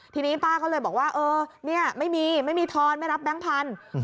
ทีนี้ป้าก็เลยบอกว่าเออเนี่ยไม่มีไม่มีทอนไม่รับแบงค์พันธุ์